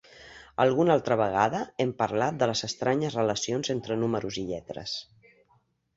Alguna altra vegada hem parlat de les estranyes relacions entre números i lletres.